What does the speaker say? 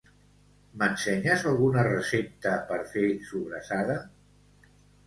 M'ensenyes alguna recepta per fer sobrassada?